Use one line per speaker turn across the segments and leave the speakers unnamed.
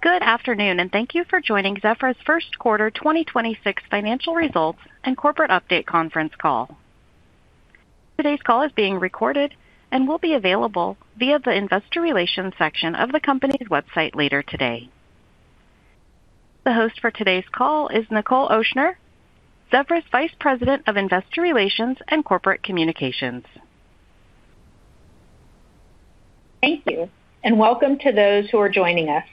Good afternoon. Thank you for joining Zevra's First Quarter 2026 Financial Results and Corporate Update Conference Call. Today's call is being recorded and will be available via the investor relations section of the company's website later today. The host for today's call is Nichol Ochsner, Zevra's Vice President of Investor Relations and Corporate Communications.
Thank you, and welcome to those who are joining us.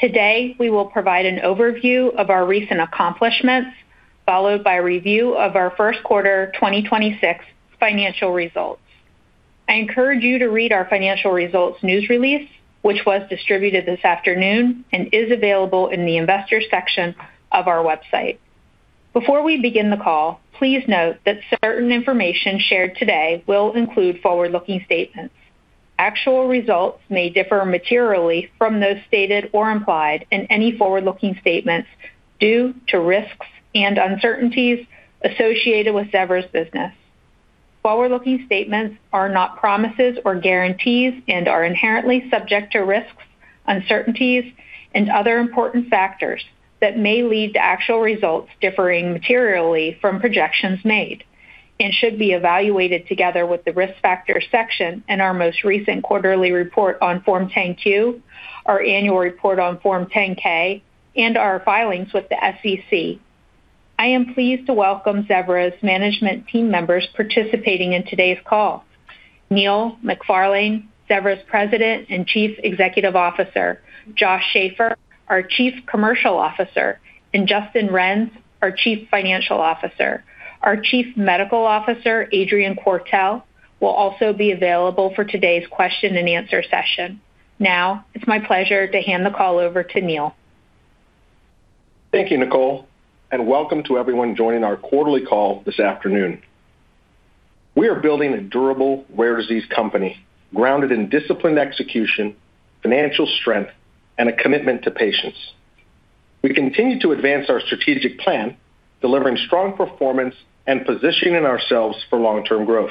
Today, we will provide an overview of our recent accomplishments, followed by review of our first quarter 2026 financial results. I encourage you to read our financial results news release, which was distributed this afternoon and is available in the investor section of our website. Before we begin the call, please note that certain information shared today will include forward-looking statements. Actual results may differ materially from those stated or implied in any forward-looking statements due to risks and uncertainties associated with Zevra's business. Forward-looking statements are not promises or guarantees and are inherently subject to risks, uncertainties, and other important factors that may lead to actual results differing materially from projections made and should be evaluated together with the Risk Factors section in our most recent quarterly report on Form 10-Q, our annual report on Form 10-K, and our filings with the SEC. I am pleased to welcome Zevra's management team members participating in today's call. Neil McFarlane, Zevra's President and Chief Executive Officer, Josh Schafer, our Chief Commercial Officer, and Justin Renz, our Chief Financial Officer. Our Chief Medical Officer, Adrian Quartel, will also be available for today's question and answer session. Now, it's my pleasure to hand the call over to Neil.
Thank you, Nichol, and welcome to everyone joining our quarterly call this afternoon. We are building a durable rare disease company grounded in disciplined execution, financial strength, and a commitment to patients. We continue to advance our strategic plan, delivering strong performance and positioning ourselves for long-term growth.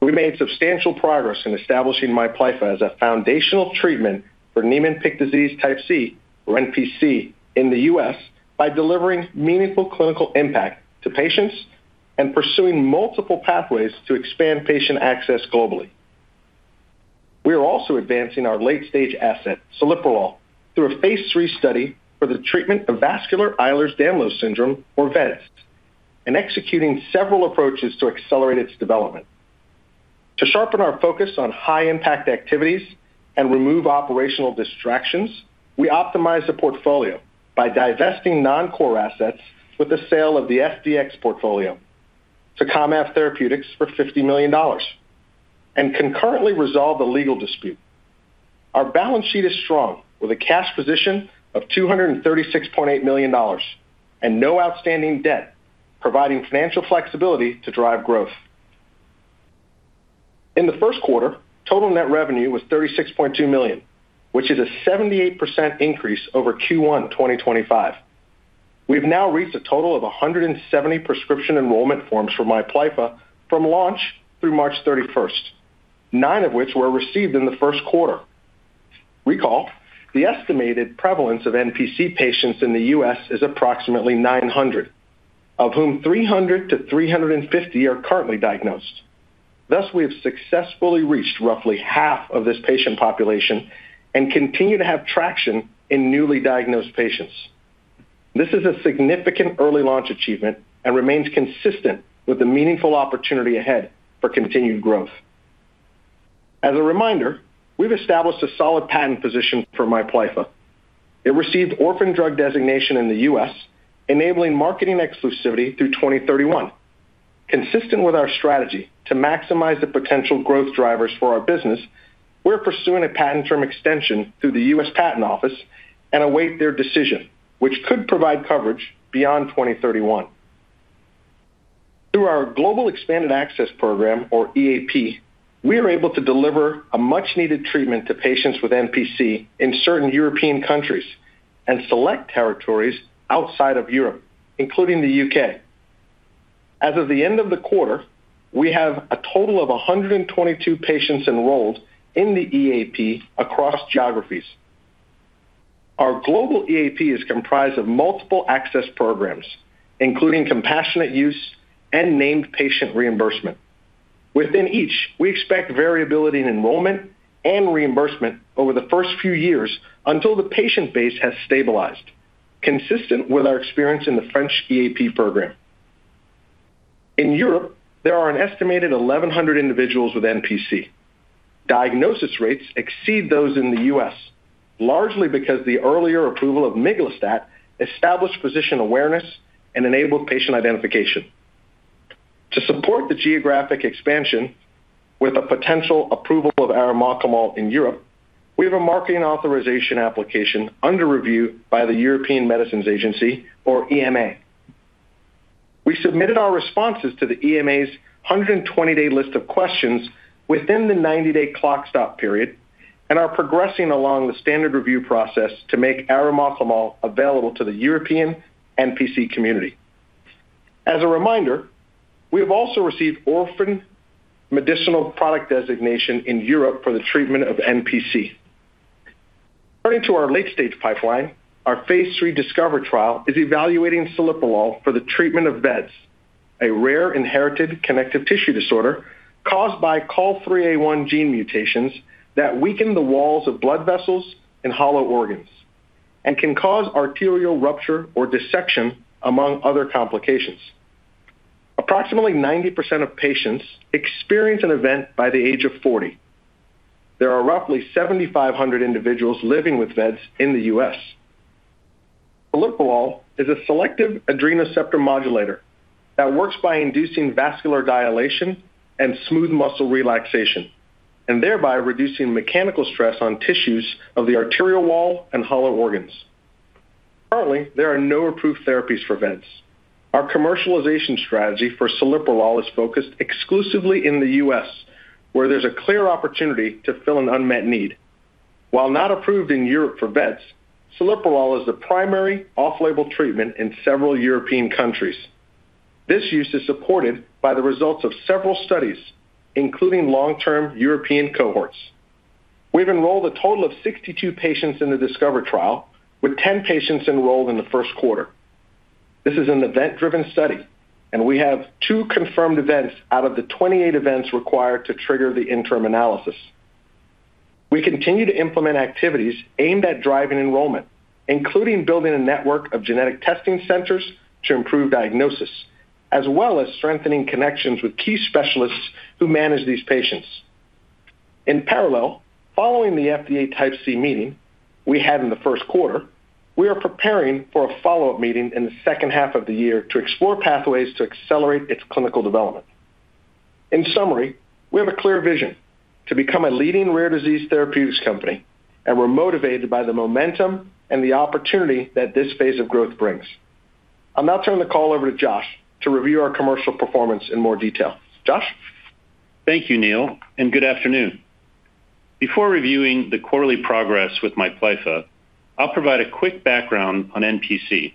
We made substantial progress in establishing MIPLYFFA as a foundational treatment for Niemann-Pick disease, type C, or NPC, in the U.S. by delivering meaningful clinical impact to patients and pursuing multiple pathways to expand patient access globally. We are also advancing our late-stage asset, celiprolol, through a phase III study for the treatment of vascular Ehlers-Danlos syndrome, or vEDS, and executing several approaches to accelerate its development. To sharpen our focus on high-impact activities and remove operational distractions, we optimized the portfolio by divesting non-core assets with the sale of the SDX portfolio to Commave Therapeutics for $50 million and concurrently resolved a legal dispute. Our balance sheet is strong, with a cash position of $236.8 million and no outstanding debt, providing financial flexibility to drive growth. In the first quarter, total net revenue was $36.2 million, which is a 78% increase over Q1 2025. We've now reached a total of 170 prescription enrollment forms for MIPLYFFA from launch through March 31st, nine of which were received in the first quarter. Recall, the estimated prevalence of NPC patients in the U.S. is approximately 900, of whom 300-350 are currently diagnosed. Thus, we have successfully reached roughly half of this patient population and continue to have traction in newly diagnosed patients. This is a significant early launch achievement and remains consistent with the meaningful opportunity ahead for continued growth. As a reminder, we've established a solid patent position for MIPLYFFA. It received orphan drug designation in the U.S., enabling marketing exclusivity through 2031. Consistent with our strategy to maximize the potential growth drivers for our business, we're pursuing a patent term extension through the U.S. Patent Office and await their decision, which could provide coverage beyond 2031. Through our Global Expanded Access Program, or EAP, we are able to deliver a much-needed treatment to patients with NPC in certain European countries and select territories outside of Europe, including the U.K. As of the end of the quarter, we have a total of 122 patients enrolled in the EAP across geographies. Our Global EAP is comprised of multiple access programs, including compassionate use and named patient reimbursement. Within each, we expect variability in enrollment and reimbursement over the first few years until the patient base has stabilized, consistent with our experience in the French EAP program. In Europe, there are an estimated 1,100 individuals with NPC. Diagnosis rates exceed those in the U.S., largely because the earlier approval of miglustat established physician awareness and enabled patient identification. To support the geographic expansion with the potential approval of arimoclomol in Europe, we have a marketing authorization application under review by the European Medicines Agency, or EMA. We submitted our responses to the EMA's 120-day list of questions within the 90-day clock stop period and are progressing along the standard review process to make arimoclomol available to the European NPC community. As a reminder, we have also received orphan medicinal product designation in Europe for the treatment of NPC. Turning to our late-stage pipeline, our phase III DiSCOVER trial is evaluating celiprolol for the treatment of vEDS, a rare inherited connective tissue disorder caused by COL3A1 gene mutations that weaken the walls of blood vessels and hollow organs and can cause arterial rupture or dissection, among other complications. Approximately 90% of patients experience an event by the age of 40. There are roughly 7,500 individuals living with vEDS in the U.S. Celiprolol is a selective adrenoreceptor modulator that works by inducing vascular dilation and smooth muscle relaxation, thereby reducing mechanical stress on tissues of the arterial wall and hollow organs. Currently, there are no approved therapies for vEDS. Our commercialization strategy for celiprolol is focused exclusively in the U.S., where there's a clear opportunity to fill an unmet need. While not approved in Europe for vEDS, celiprolol is the primary off-label treatment in several European countries. This use is supported by the results of several studies, including long-term European cohorts. We've enrolled a total of 62 patients in the DiSCOVER trial, with 10 patients enrolled in the first quarter. This is an event-driven study, we have two confirmed events out of the 28 events required to trigger the interim analysis. We continue to implement activities aimed at driving enrollment, including building a network of genetic testing centers to improve diagnosis, as well as strengthening connections with key specialists who manage these patients. In parallel, following the FDA Type C meeting we had in the first quarter, we are preparing for a follow-up meeting in the second half of the year to explore pathways to accelerate its clinical development. In summary, we have a clear vision to become a leading rare disease therapeutics company, and we're motivated by the momentum and the opportunity that this phase of growth brings. I'll now turn the call over to Josh to review our commercial performance in more detail. Josh?
Thank you, Neil, and good afternoon. Before reviewing the quarterly progress with MIPLYFFA, I'll provide a quick background on NPC.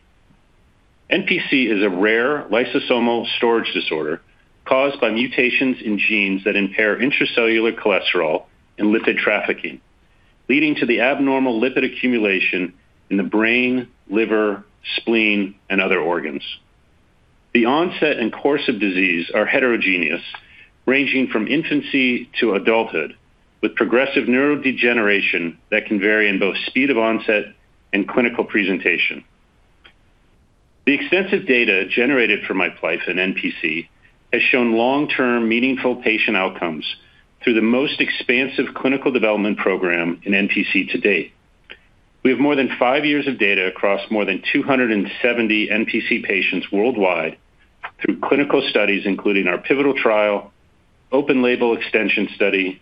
NPC is a rare lysosomal storage disorder caused by mutations in genes that impair intracellular cholesterol and lipid trafficking, leading to the abnormal lipid accumulation in the brain, liver, spleen, and other organs. The onset and course of disease are heterogeneous, ranging from infancy to adulthood, with progressive neurodegeneration that can vary in both speed of onset and clinical presentation. The extensive data generated for MIPLYFFA in NPC has shown long-term meaningful patient outcomes through the most expansive clinical development program in NPC to date. We have more than five years of data across more than 270 NPC patients worldwide through clinical studies, including our pivotal trial, open label extension study,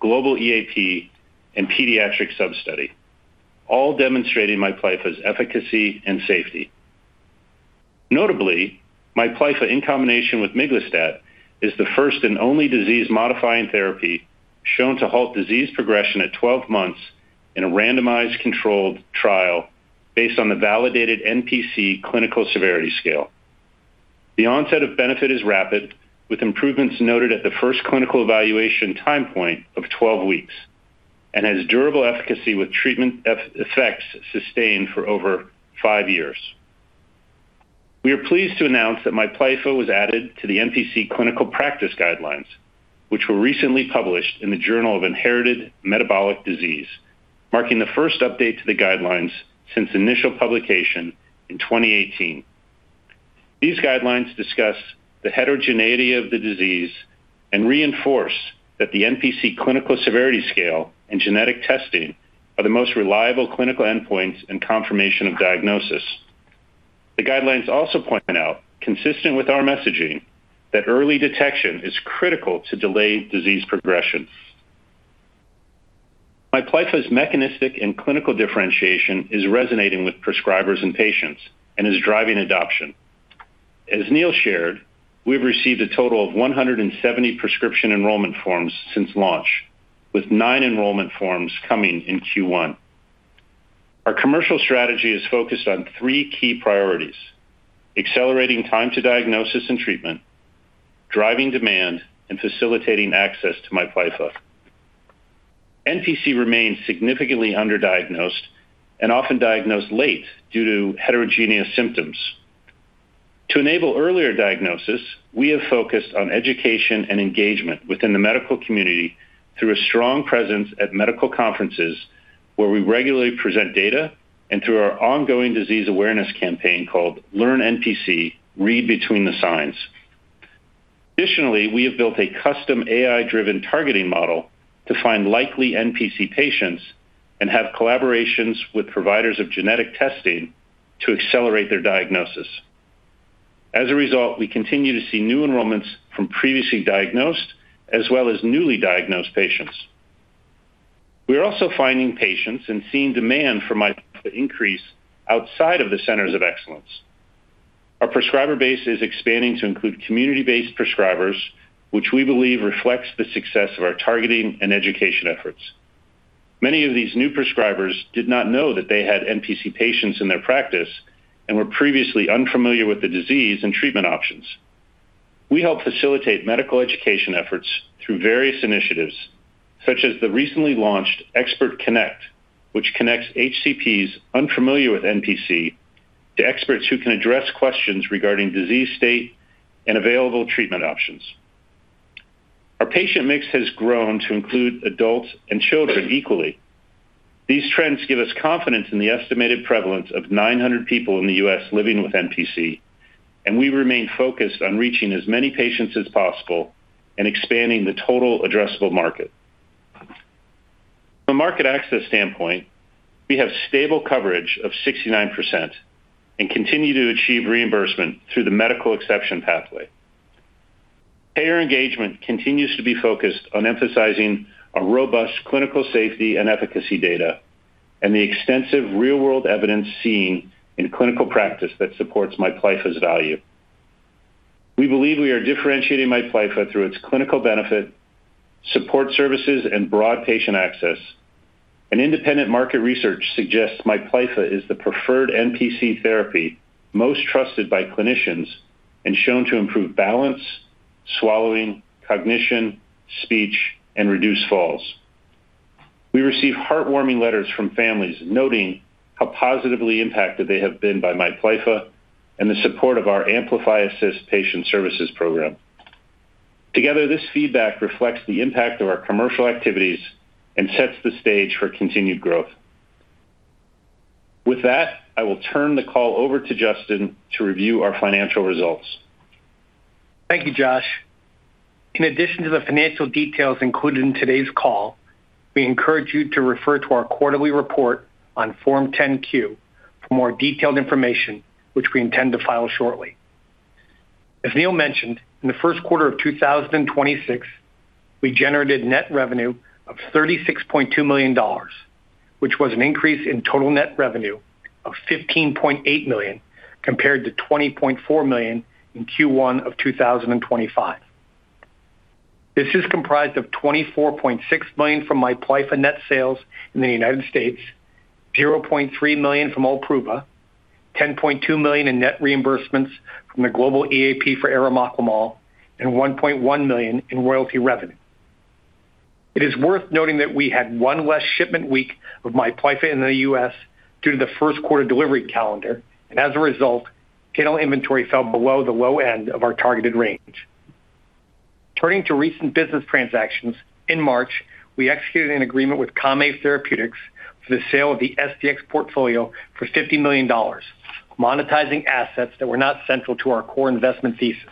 global EAP, and pediatric sub-study, all demonstrating MIPLYFFA's efficacy and safety. Notably, MIPLYFFA in combination with miglustat is the first and only disease-modifying therapy shown to halt disease progression at 12 months in a randomized controlled trial based on the validated NPC Clinical Severity Scale. The onset of benefit is rapid, with improvements noted at the first clinical evaluation time point of 12 weeks and has durable efficacy with treatment effects sustained for over five years. We are pleased to announce that MIPLYFFA was added to the NPC clinical practice guidelines, which were recently published in the Journal of Inherited Metabolic Disease, marking the first update to the guidelines since initial publication in 2018. These guidelines discuss the heterogeneity of the disease and reinforce that the NPC Clinical Severity Scale and genetic testing are the most reliable clinical endpoints and confirmation of diagnosis. The guidelines also point out, consistent with our messaging, that early detection is critical to delay disease progression. MIPLYFFA's mechanistic and clinical differentiation is resonating with prescribers and patients and is driving adoption. As Neil shared, we've received a total of 170 prescription enrollment forms since launch, with nine enrollment forms coming in Q1. Our commercial strategy is focused on three key priorities: accelerating time to diagnosis and treatment, driving demand, and facilitating access to MIPLYFFA. NPC remains significantly underdiagnosed and often diagnosed late due to heterogeneous symptoms. To enable earlier diagnosis, we have focused on education and engagement within the medical community through a strong presence at medical conferences where we regularly present data and through our ongoing disease awareness campaign called Learn NPC, Read Between the Signs. Additionally, we have built a custom AI-driven targeting model to find likely NPC patients and have collaborations with providers of genetic testing to accelerate their diagnosis. As a result, we continue to see new enrollments from previously diagnosed as well as newly diagnosed patients. We are also finding patients and seeing demand for MIPLYFFA increase outside of the centers of excellence. Our prescriber base is expanding to include community-based prescribers, which we believe reflects the success of our targeting and education efforts. Many of these new prescribers did not know that they had NPC patients in their practice and were previously unfamiliar with the disease and treatment options. We help facilitate medical education efforts through various initiatives, such as the recently launched Expert Connect, which connects HCPs unfamiliar with NPC to experts who can address questions regarding disease state and available treatment options. Our patient mix has grown to include adults and children equally. These trends give us confidence in the estimated prevalence of 900 people in the U.S. living with NPC, and we remain focused on reaching as many patients as possible and expanding the total addressable market. From a market access standpoint, we have stable coverage of 69% and continue to achieve reimbursement through the medical exception pathway. Payer engagement continues to be focused on emphasizing a robust clinical safety and efficacy data and the extensive real-world evidence seen in clinical practice that supports MIPLYFFA's value. We believe we are differentiating MIPLYFFA through its clinical benefit, support services, and broad patient access. An independent market research suggests MIPLYFFA is the preferred NPC therapy most trusted by clinicians and shown to improve balance, swallowing, cognition, speech, and reduce falls. We receive heartwarming letters from families noting how positively impacted they have been by MIPLYFFA and the support of our AmplifyAssist patient services program. Together, this feedback reflects the impact of our commercial activities and sets the stage for continued growth. With that, I will turn the call over to Justin to review our financial results.
Thank you, Josh. In addition to the financial details included in today's call, we encourage you to refer to our quarterly report on Form 10-Q for more detailed information, which we intend to file shortly. As Neil mentioned, in the first quarter of 2026, we generated net revenue of $36.2 million, which was an increase in total net revenue of $15.8 million compared to $20.4 million in Q1 of 2025. This is comprised of $24.6 million from MIPLYFFA net sales in the United States, $0.3 million from OLPRUVA, $10.2 million in net reimbursements from the Global EAP for arimoclomol, and $1.1 million in royalty revenue. It is worth noting that we had one less shipment week of MIPLYFFA in the U.S. due to the first quarter delivery calendar, and as a result, channel inventory fell below the low end of our targeted range. Turning to recent business transactions, in March, we executed an agreement with Commave Therapeutics for the sale of the SDX portfolio for $50 million, monetizing assets that were not central to our core investment thesis.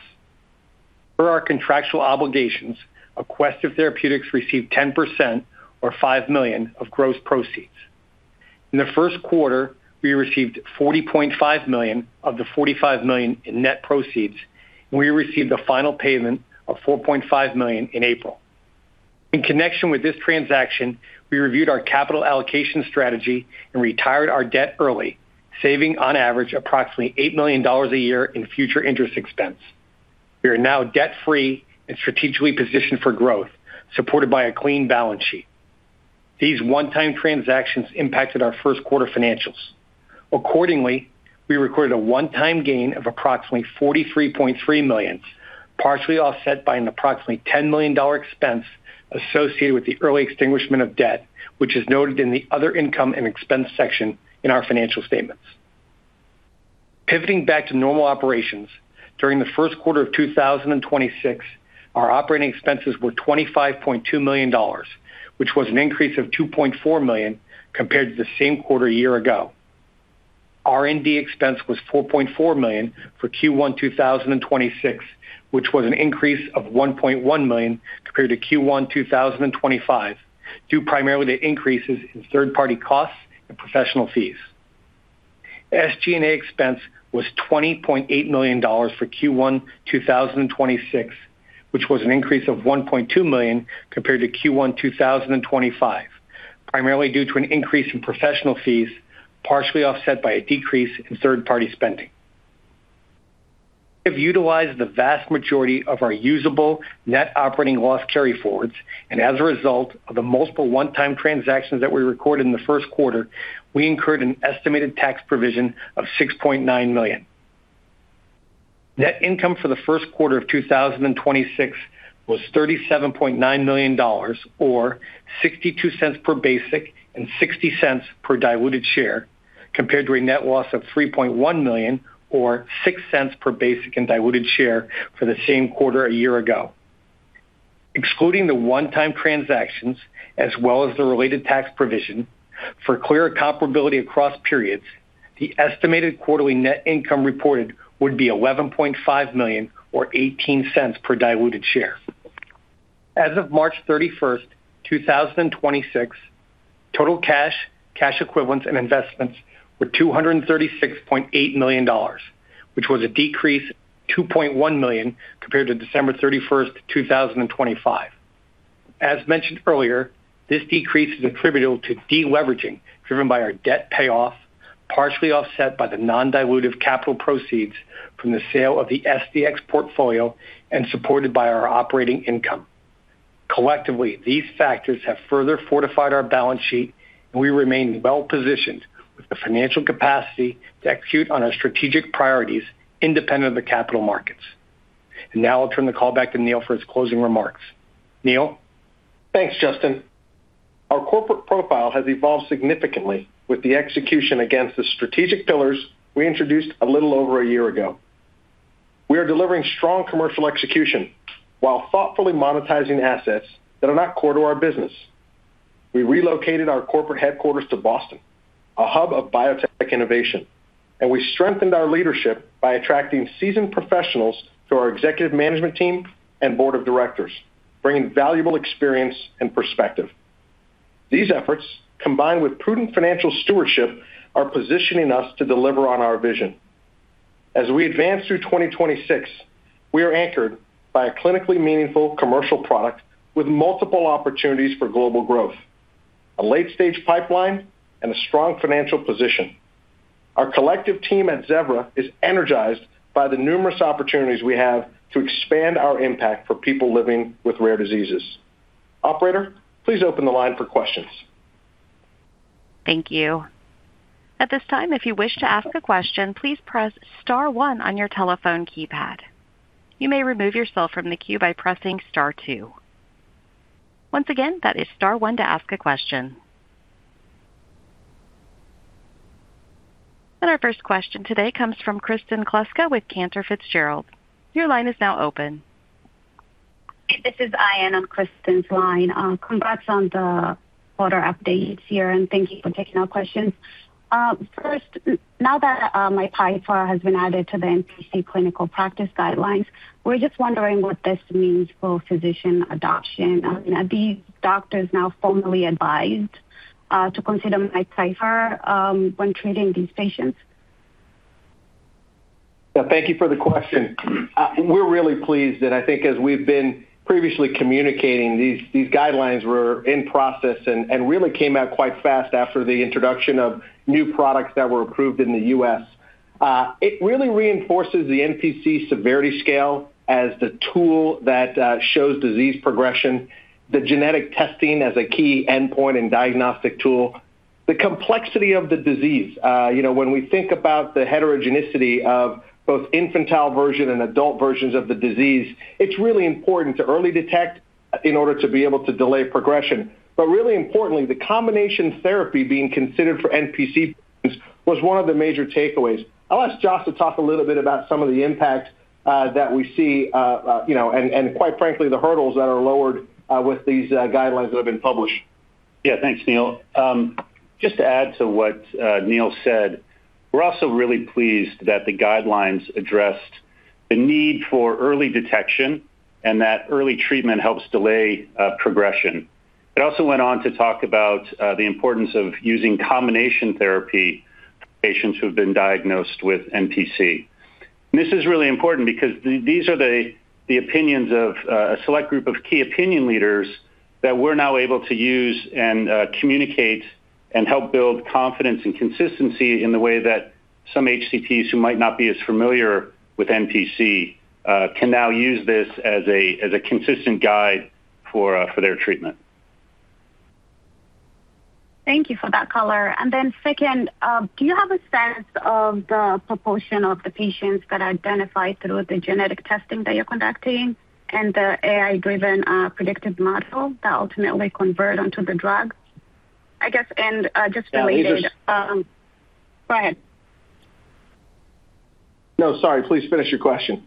Per our contractual obligations, Aquestive Therapeutics received 10% or $5 million of gross proceeds. In the first quarter, we received $40.5 million of the $45 million in net proceeds, and we received a final payment of $4.5 million in April. In connection with this transaction, we reviewed our capital allocation strategy and retired our debt early, saving on average approximately $8 million a year in future interest expense. We are now debt-free and strategically positioned for growth, supported by a clean balance sheet. These one-time transactions impacted our first quarter financials. Accordingly, we recorded a one-time gain of approximately $43.3 million, partially offset by an approximately $10 million expense associated with the early extinguishment of debt, which is noted in the other income and expense section in our financial statements. Pivoting back to normal operations, during the first quarter of 2026, our operating expenses were $25.2 million, which was an increase of $2.4 million compared to the same quarter a year ago. R&D expense was $4.4 million for Q1 2026, which was an increase of $1.1 million compared to Q1 2025, due primarily to increases in third-party costs and professional fees. SG&A expense was $20.8 million for Q1 2026, which was an increase of $1.2 million compared to Q1 2025, primarily due to an increase in professional fees, partially offset by a decrease in third-party spending. We have utilized the vast majority of our usable net operating loss carryforwards. As a result of the multiple one-time transactions that we recorded in the first quarter, we incurred an estimated tax provision of $6.9 million. Net income for the first quarter of 2026 was $37.9 million or $0.62 per basic and $0.60 per diluted share, compared to a net loss of $3.1 million or $0.06 per basic and diluted share for the same quarter a year ago. Excluding the one-time transactions as well as the related tax provision, for clearer comparability across periods, the estimated quarterly net income reported would be $11.5 million or $0.18 per diluted share. As of March 31st, 2026, total cash equivalents, and investments were $236.8 million, which was a decrease of $2.1 million compared to December 31st, 2025. As mentioned earlier, this decrease is attributable to deleveraging driven by our debt payoff, partially offset by the non-dilutive capital proceeds from the sale of the SDX portfolio and supported by our operating income. Collectively, these factors have further fortified our balance sheet, and we remain well-positioned with the financial capacity to execute on our strategic priorities independent of the capital markets. Now I'll turn the call back to Neil for his closing remarks. Neil?
Thanks, Justin. Our corporate profile has evolved significantly with the execution against the strategic pillars we introduced a little over a year ago. We are delivering strong commercial execution while thoughtfully monetizing assets that are not core to our business. We relocated our corporate headquarters to Boston, a hub of biotech innovation, and we strengthened our leadership by attracting seasoned professionals to our executive management team and board of directors, bringing valuable experience and perspective. These efforts, combined with prudent financial stewardship, are positioning us to deliver on our vision. As we advance through 2026, we are anchored by a clinically meaningful commercial product with multiple opportunities for global growth, a late-stage pipeline, and a strong financial position. Our collective team at Zevra is energized by the numerous opportunities we have to expand our impact for people living with rare diseases. Operator, please open the line for questions.
Thank you. At this time, if you wish to ask a question, please press star one on your telephone keypad. You may remove yourself from the queue by pressing star two. Once again, that is star one to ask a question. Our first question today comes from Kristen Kluska with Cantor Fitzgerald. Your line is now open.
This is Aya on Kristen's line. Congrats on the quarter updates here, and thank you for taking our questions. First, now that MIPLYFFA has been added to the NPC clinical practice guidelines, we're just wondering what this means for physician adoption. Are these doctors now formally advised to consider MIPLYFFA when treating these patients?
Thank you for the question. We're really pleased that I think as we've been previously communicating, these guidelines were in process and really came out quite fast after the introduction of new products that were approved in the U.S. It really reinforces the NPC Clinical Severity Scale as the tool that shows disease progression, the genetic testing as a key endpoint and diagnostic tool. The complexity of the disease, you know, when we think about the heterogeneity of both infantile version and adult versions of the disease, it's really important to early detect in order to be able to delay progression. Really importantly, the combination therapy being considered for NPC was one of the major takeaways. I'll ask Josh to talk a little bit about some of the impact that we see, you know, and quite frankly, the hurdles that are lowered with these guidelines that have been published.
Yeah. Thanks, Neil. Just to add to what Neil said, we're also really pleased that the guidelines addressed the need for early detection and that early treatment helps delay progression. It also went on to talk about the importance of using combination therapy for patients who have been diagnosed with NPC. This is really important because these are the opinions of a select group of key opinion leaders that we're now able to use and communicate and help build confidence and consistency in the way that some HCPs who might not be as familiar with NPC can now use this as a consistent guide for their treatment.
Thank you for that color. Second, do you have a sense of the proportion of the patients that identify through the genetic testing that you're conducting and the AI-driven predictive model that ultimately convert onto the drug? I guess.
Yeah.
Go ahead.
No, sorry. Please finish your question.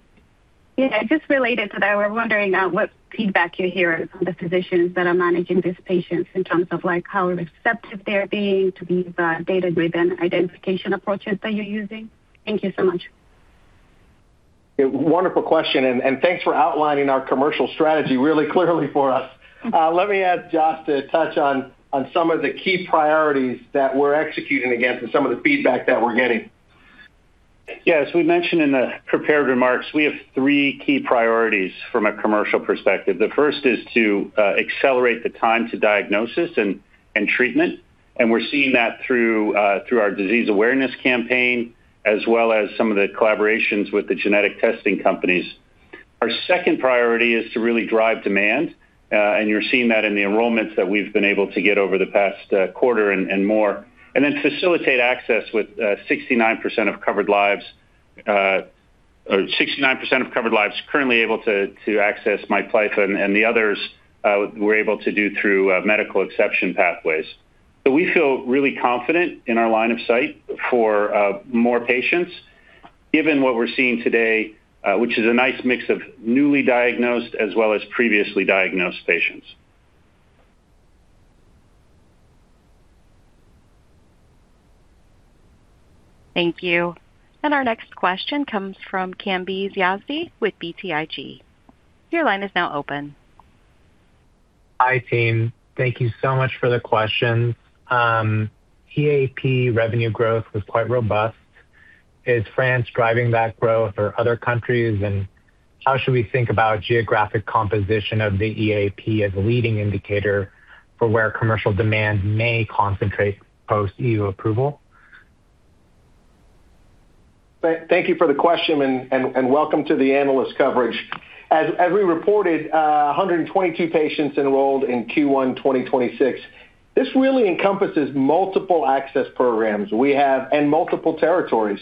Yeah, just related to that, we're wondering what feedback you hear from the physicians that are managing these patients in terms of, like, how receptive they're being to these data-driven identification approaches that you're using. Thank you so much.
Yeah, wonderful question, and thanks for outlining our commercial strategy really clearly for us. Let me ask Josh to touch on some of the key priorities that we're executing against and some of the feedback that we're getting.
As we mentioned in the prepared remarks, we have three key priorities from a commercial perspective. The first is to accelerate the time to diagnosis and treatment. We're seeing that through our disease awareness campaign as well as some of the collaborations with the genetic testing companies. Our second priority is to really drive demand, and you're seeing that in the enrollments that we've been able to get over the past quarter and more, and then facilitate access with 69% of covered lives or 69% of covered lives currently able to access MIPLYFFA, and the others we're able to do through medical exception pathways. We feel really confident in our line of sight for more patients given what we're seeing today, which is a nice mix of newly diagnosed as well as previously diagnosed patients.
Thank you. Our next question comes from Kambiz Yazdi with BTIG. Your line is now open.
Hi, team. Thank you so much for the questions. EAP revenue growth was quite robust. Is France driving that growth or other countries? How should we think about geographic composition of the EAP as a leading indicator for where commercial demand may concentrate post-EU approval?
Thank you for the question and welcome to the analyst coverage. As we reported, 122 patients enrolled in Q1 2026. This really encompasses multiple access programs we have and multiple territories.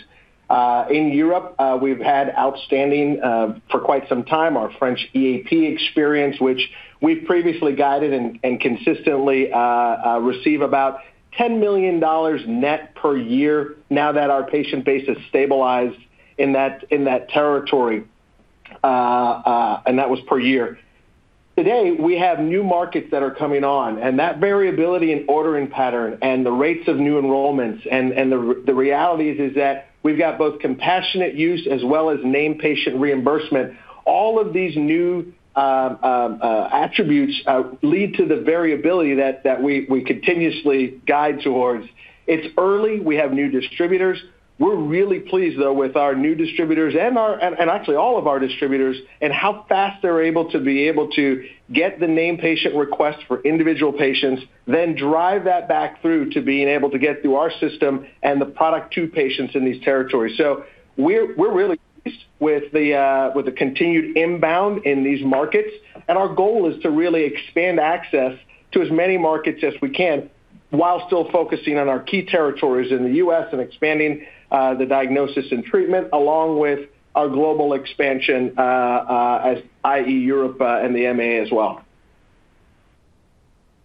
In Europe, we've had outstanding for quite some time our French EAP experience, which we've previously guided and consistently receive about $10 million net per year now that our patient base has stabilized in that territory, and that was per year. Today, we have new markets that are coming on, and that variability in ordering pattern and the rates of new enrollments and the reality is that we've got both compassionate use as well as named patient reimbursement. All of these new attributes lead to the variability that we continuously guide towards. It's early. We have new distributors. We're really pleased, though, with our new distributors and our and actually all of our distributors, and how fast they're able to be able to get the named patient requests for individual patients, then drive that back through to being able to get through our system and the product to patients in these territories. We're really pleased with the continued inbound in these markets. Our goal is to really expand access to as many markets as we can while still focusing on our key territories in the U.S. and expanding the diagnosis and treatment along with our global expansion, as i.e., Europe, and the EMA as well.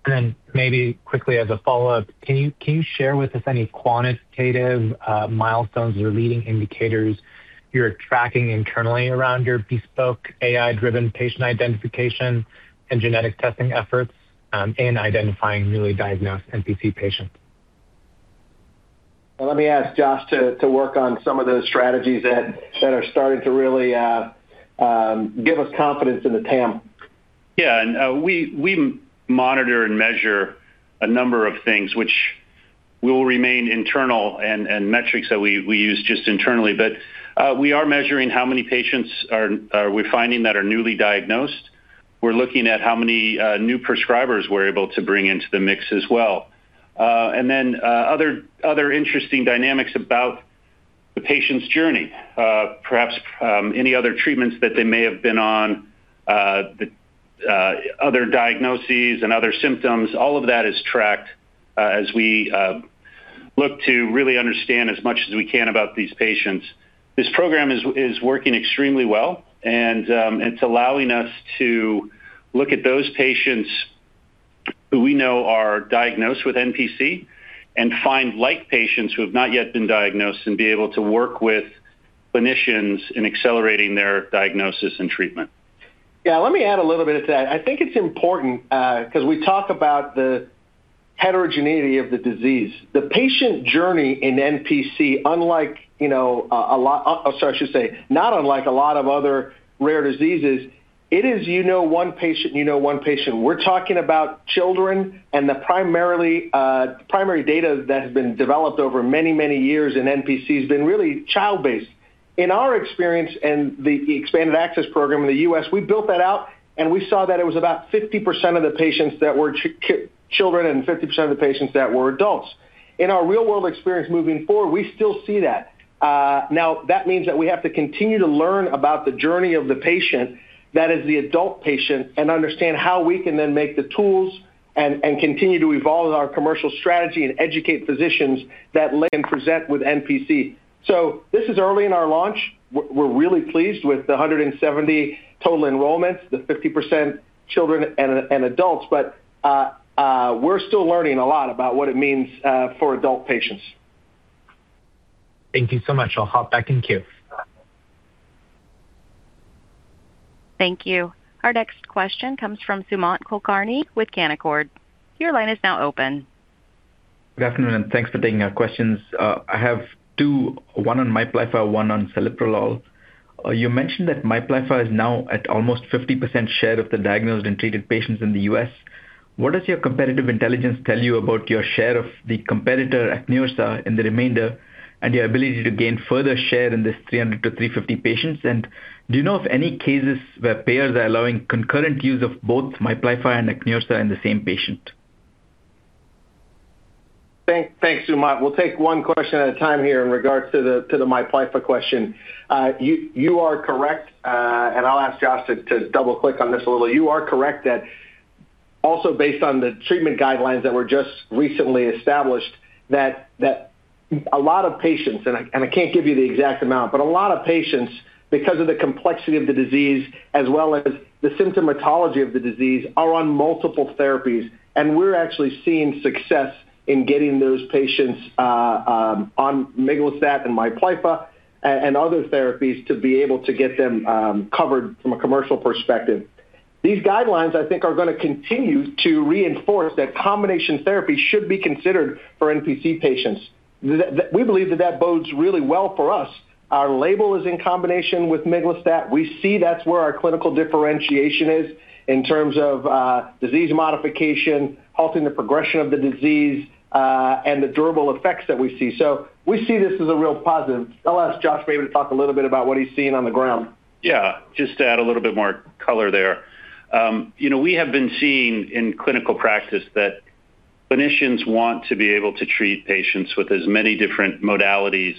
Then maybe quickly as a follow-up, can you share with us any quantitative milestones or leading indicators you're tracking internally around your bespoke AI-driven patient identification and genetic testing efforts in identifying newly diagnosed NPC patients?
Let me ask Josh to work on some of those strategies that are starting to really give us confidence in the TAM.
Yeah. We monitor and measure a number of things which will remain internal and metrics that we use just internally. We are measuring how many patients are we finding that are newly diagnosed. We are looking at how many new prescribers we are able to bring into the mix as well. Other interesting dynamics about the patient's journey. Perhaps any other treatments that they may have been on, the other diagnoses and other symptoms, all of that is tracked as we look to really understand as much as we can about these patients. This program is working extremely well, and it's allowing us to look at those patients who we know are diagnosed with NPC and find like patients who have not yet been diagnosed and be able to work with clinicians in accelerating their diagnosis and treatment.
Let me add a little bit to that. I think it's important, 'cause we talk about the heterogeneity of the disease. The patient journey in NPC, unlike, you know, a lot, sorry, I should say not unlike a lot of other rare diseases, it is you know one patient, you know one patient. We're talking about children, and the primarily, primary data that has been developed over many, many years in NPC has been really child-based. In our experience in the Expanded Access Program in the U.S., we built that out, and we saw that it was about 50% of the patients that were children and 50% of the patients that were adults. In our real-world experience moving forward, we still see that. Now that means that we have to continue to learn about the journey of the patient, that is the adult patient, and understand how we can then make the tools and continue to evolve our commercial strategy and educate physicians that lay and present with NPC. This is early in our launch. We're really pleased with the 170 total enrollments, the 50% children and adults. We're still learning a lot about what it means for adult patients.
Thank you so much. I'll hop back in queue.
Thank you. Our next question comes from Sumant Kulkarni with Canaccord.
Good afternoon, and thanks for taking our questions. I have two, one on MIPLYFFA, one on celiprolol. You mentioned that MIPLYFFA is now at almost 50% share of the diagnosed and treated patients in the U.S. What does your competitive intelligence tell you about your share of the competitor AQNEURSA in the remainder and your ability to gain further share in this 300-350 patients? Do you know of any cases where payers are allowing concurrent use of both MIPLYFFA and AQNEURSA in the same patient?
Thanks, Sumant. We'll take one question at a time here in regards to the MIPLYFFA question. You are correct. And I'll ask Josh to double-click on this a little. You are correct that also based on the treatment guidelines that were just recently established, that a lot of patients, and I can't give you the exact amount, but a lot of patients, because of the complexity of the disease as well as the symptomatology of the disease, are on multiple therapies. We're actually seeing success in getting those patients on miglustat and MIPLYFFA and other therapies to be able to get them covered from a commercial perspective. These guidelines, I think, are gonna continue to reinforce that combination therapy should be considered for NPC patients. We believe that that bodes really well for us. Our label is in combination with miglustat. We see that's where our clinical differentiation is in terms of disease modification, halting the progression of the disease, and the durable effects that we see. We see this as a real positive. I'll ask Josh maybe to talk a little bit about what he's seeing on the ground.
Yeah. Just to add a little bit more color there. You know, we have been seeing in clinical practice that clinicians want to be able to treat patients with as many different modalities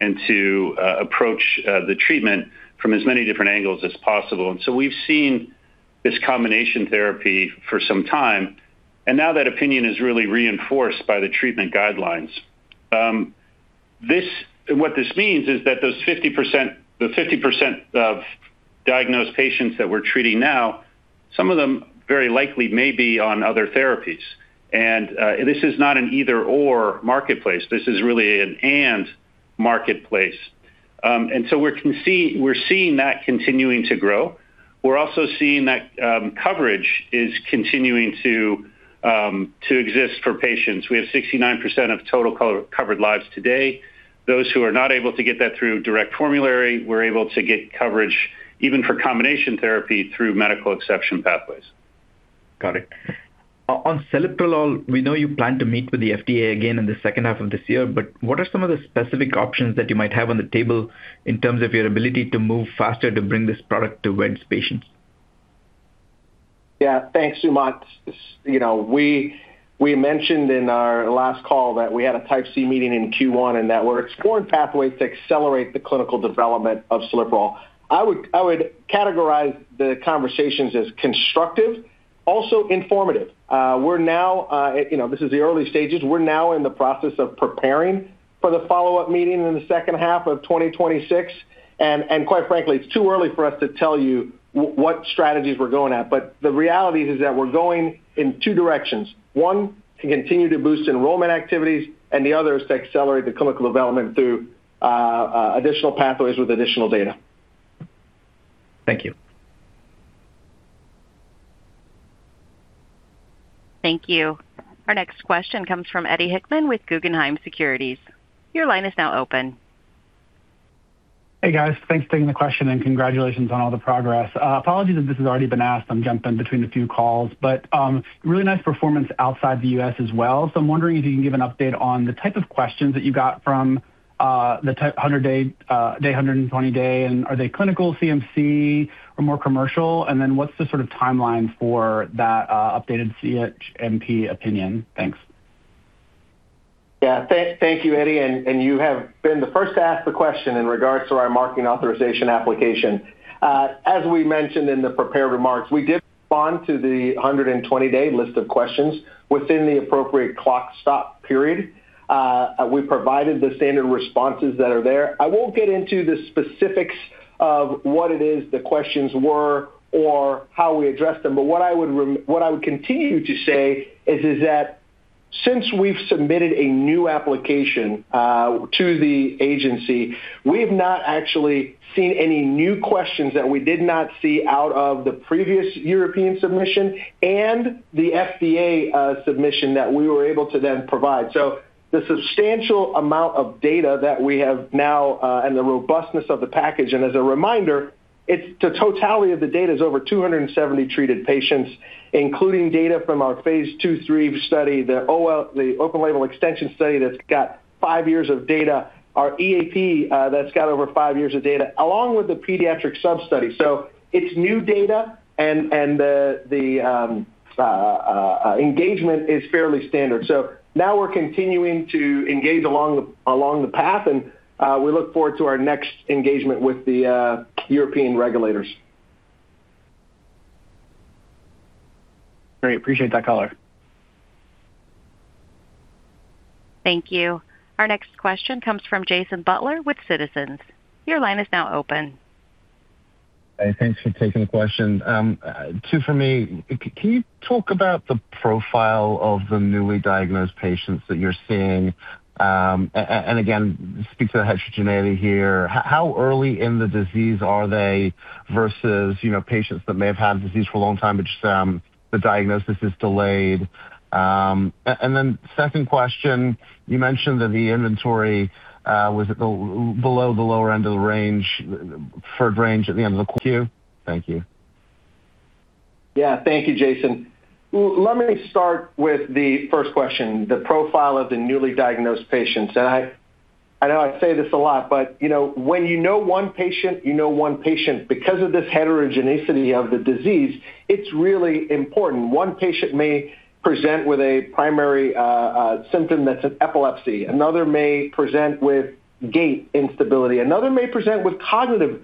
and to approach the treatment from as many different angles as possible. We've seen this combination therapy for some time, and now that opinion is really reinforced by the treatment guidelines. What this means is that the 50% of diagnosed patients that we're treating now, some of them very likely may be on other therapies. This is not an either/or marketplace. This is really an and marketplace. We're seeing that continuing to grow. We're also seeing that coverage is continuing to exist for patients. We have 69% of total covered lives today. Those who are not able to get that through direct formulary, we're able to get coverage even for combination therapy through medical exception pathways.
Got it. On celiprolol, we know you plan to meet with the FDA again in the second half of this year, what are some of the specific options that you might have on the table in terms of your ability to move faster to bring this product to vEDS patients?
Yeah. Thanks, Sumant. You know, we mentioned in our last call that we had a Type C meeting in Q1, and that we're exploring pathways to accelerate the clinical development of celiprolol. I would categorize the conversations as constructive, also informative. We're now, you know, this is the early stages. We're now in the process of preparing for the follow-up meeting in the second half of 2026. Quite frankly, it's too early for us to tell you what strategies we're going at. The reality is that we're going in two directions. One, to continue to boost enrollment activities, and the other is to accelerate the clinical development through additional pathways with additional data.
Thank you.
Thank you. Our next question comes from Eddie Hickman with Guggenheim Securities. Your line is now open.
Hey, guys. Thanks for taking the question, and congratulations on all the progress. Apologies if this has already been asked. I'm jumping between a few calls. Really nice performance outside the U.S. as well. I'm wondering if you can give an update on the type of questions that you got from the type 100-day, day 120 day, and are they clinical CMC or more commercial? What's the sort of timeline for that updated CHMP opinion? Thanks.
Yeah. Thank you, Eddie. You have been the first to ask the question in regards to our marketing authorization application. As we mentioned in the prepared remarks, we did respond to the 120-day list of questions within the appropriate clock stop period. We provided the standard responses that are there. I won't get into the specifics of what it is the questions were or how we addressed them, but what I would continue to say is that since we've submitted a new application to the agency, we have not actually seen any new questions that we did not see out of the previous European submission and the FDA submission that we were able to then provide. The substantial amount of data that we have now, and the robustness of the package, and as a reminder, the totality of the data is over 270 treated patients, including data from our phase II/III study, the OL, the open label extension study that's got five years of data, our EAP, that's got over five years of data, along with the pediatric substudy. It's new data and the engagement is fairly standard. Now we're continuing to engage along the path, and we look forward to our next engagement with the European regulators.
Great. Appreciate that color.
Thank you. Our next question comes from Jason Butler with Citizens. Your line is now open.
Hey, thanks for taking the question. Two for me. Can you talk about the profile of the newly diagnosed patients that you're seeing? Again, speak to the heterogeneity here. How early in the disease are they versus, you know, patients that may have had the disease for a long time, but just the diagnosis is delayed? Second question, you mentioned that the inventory was below the lower end of the range, preferred range at the end of the year. Thank you.
Yeah. Thank you, Jason. Let me start with the first question, the profile of the newly diagnosed patients. I know I say this a lot, but, you know, when you know one patient, you know one patient. Because of this heterogeneity of the disease, it's really important. One patient may present with a primary symptom that's an epilepsy. Another may present with gait instability. Another may present with cognitive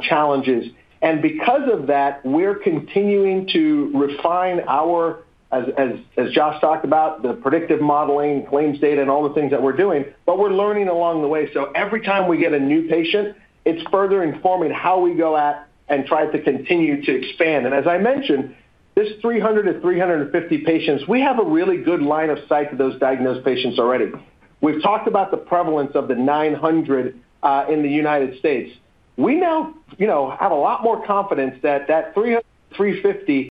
challenges. Because of that, we're continuing to refine our, as Josh talked about, the predictive modeling, claims data, and all the things that we're doing, but we're learning along the way. Every time we get a new patient, it's further informing how we go at and try to continue to expand. As I mentioned, this 300-350 patients, we have a really good line of sight to those diagnosed patients already. We've talked about the prevalence of the 900 in the United States. We now, you know, have a lot more confidence that that 300, 350,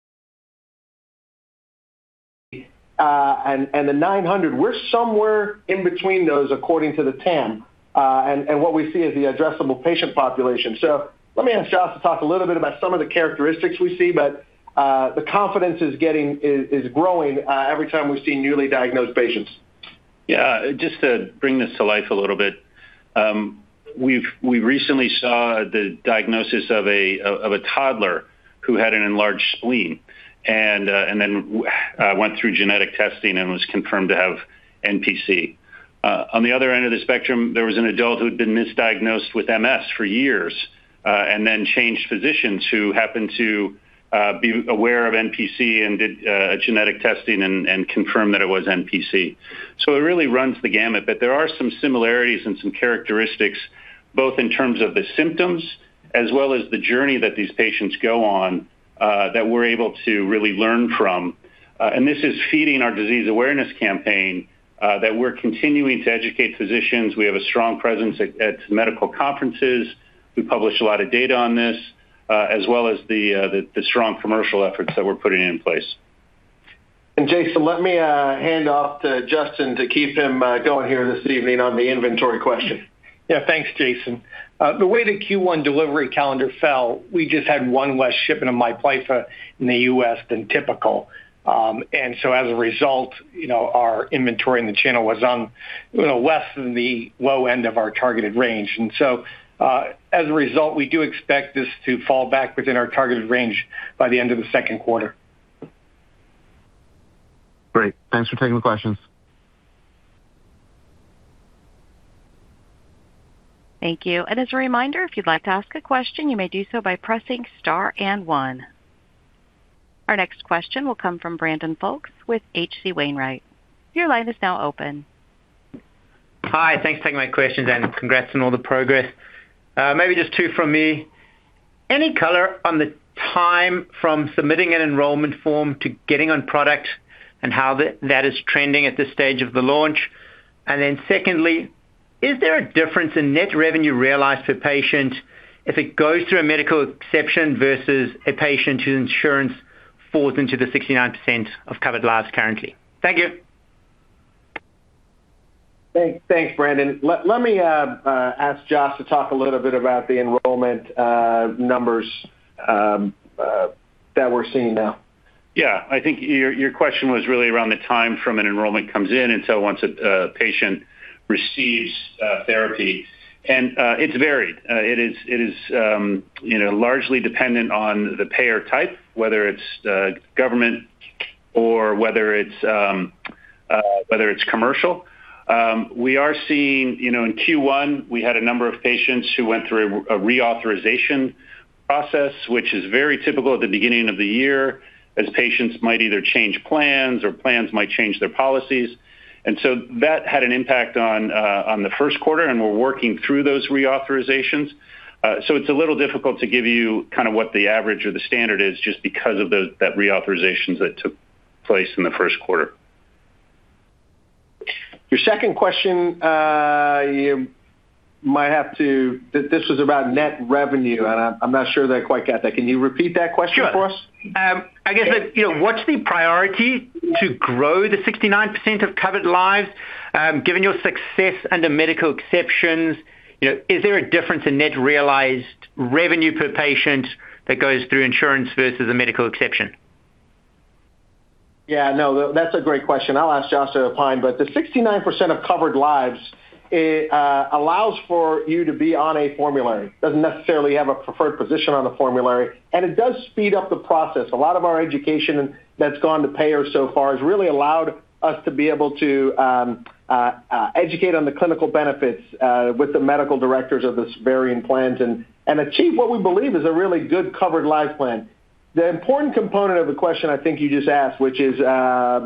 and the 900, we're somewhere in between those according to the TAM. What we see is the addressable patient population. Let me ask Josh to talk a little bit about some of the characteristics we see, but the confidence is getting, is growing every time we see newly diagnosed patients.
Just to bring this to life a little bit, we recently saw the diagnosis of a toddler who had an enlarged spleen and then went through genetic testing and was confirmed to have NPC. On the other end of the spectrum, there was an adult who had been misdiagnosed with MS for years, and then changed physicians who happened to be aware of NPC and did a genetic testing and confirmed that it was NPC. It really runs the gamut, but there are some similarities and some characteristics both in terms of the symptoms as well as the journey that these patients go on that we're able to really learn from. This is feeding our disease awareness campaign that we're continuing to educate physicians. We have a strong presence at medical conferences. We publish a lot of data on this, as well as the strong commercial efforts that we're putting in place.
Jason, let me hand off to Justin to keep him going here this evening on the inventory question.
Thanks, Jason. The way the Q1 delivery calendar fell, we just had one less shipment of MIPLYFFA in the U.S. than typical. As a result, you know, our inventory in the channel was on, you know, less than the low end of our targeted range. As a result, we do expect this to fall back within our targeted range by the end of the second quarter.
Great. Thanks for taking the questions.
Thank you. As a reminder, if you'd like to ask a question, you may do so by pressing star and one. Our next question will come from Brandon Folkes with H.C. Wainwright. Your line is now open.
Hi. Thanks for taking my questions, and congrats on all the progress. maybe just two from me. Any color on the time from submitting an enrollment form to getting on product and how that is trending at this stage of the launch? Secondly, is there a difference in net revenue realized per patient if it goes through a medical exception versus a patient whose insurance falls into the 69% of covered lives currently? Thank you.
Thanks. Thanks, Brandon. Let me ask Josh to talk a little bit about the enrollment numbers that we're seeing now.
Yeah. I think your question was really around the time from an enrollment comes in until once a patient receives therapy. It's varied. It is, it is, you know, largely dependent on the payer type, whether it's government or whether it's commercial. We are seeing, you know, in Q1, we had a number of patients who went through a reauthorization process, which is very typical at the beginning of the year, as patients might either change plans or plans might change their policies. That had an impact on the first quarter, and we're working through those reauthorizations. It's a little difficult to give you kind of what the average or the standard is just because of that reauthorizations that took place in the first quarter.
Your second question, this was about net revenue, and I'm not sure that I quite got that. Can you repeat that question for us?
Sure. I guess, you know, what's the priority to grow the 69% of covered lives? Given your success under medical exceptions, you know, is there a difference in net realized revenue per patient that goes through insurance versus a medical exception?
Yeah, no, that's a great question. I'll ask Josh to opine. The 69% of covered lives, it allows for you to be on a formulary. Doesn't necessarily have a preferred position on the formulary, and it does speed up the process. A lot of our education that's gone to payers so far has really allowed us to be able to educate on the clinical benefits with the medical directors of this varying plans and achieve what we believe is a really good covered life plan. The important component of the question I think you just asked, which is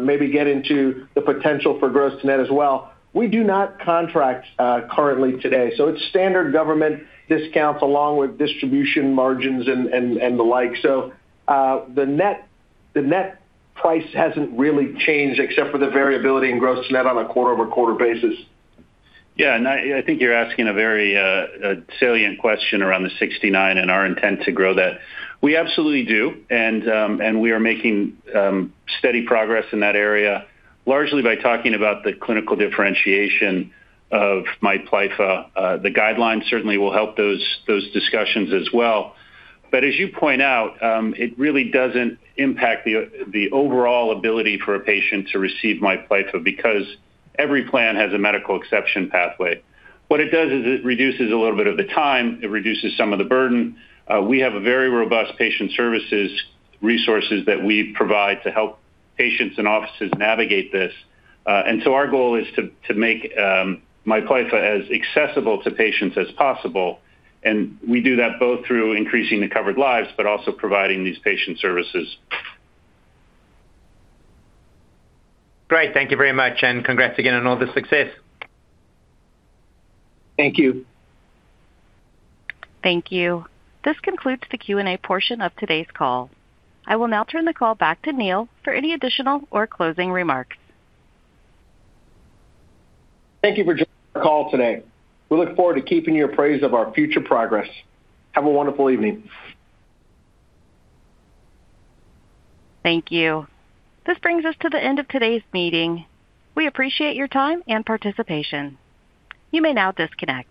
maybe get into the potential for gross net as well, we do not contract currently today. It's standard government discounts along with distribution margins and the like. The net price hasn't really changed except for the variability in gross net on a quarter-over-quarter basis.
Yeah. I think you're asking a very salient question around the 69 and our intent to grow that. We absolutely do, we are making steady progress in that area, largely by talking about the clinical differentiation of MIPLYFFA. The guidelines certainly will help those discussions as well. As you point out, it really doesn't impact the overall ability for a patient to receive MIPLYFFA because every plan has a medical exception pathway. What it does is it reduces a little bit of the time. It reduces some of the burden. We have a very robust patient services resources that we provide to help patients and offices navigate this. Our goal is to make MIPLYFFA as accessible to patients as possible, and we do that both through increasing the covered lives but also providing these patient services.
Great. Thank you very much, and congrats again on all the success.
Thank you.
Thank you. This concludes the Q&A portion of today's call. I will now turn the call back to Neil for any additional or closing remarks.
Thank you for joining our call today. We look forward to keeping you appraised of our future progress. Have a wonderful evening.
Thank you. This brings us to the end of today's meeting. We appreciate your time and participation. You may now disconnect.